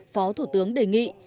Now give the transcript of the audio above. phó thủ tướng đề nghị